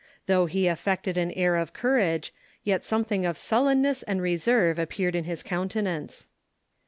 Tho' he affected an air of courage, yet something of sullenness and reserve appeared in his countenance.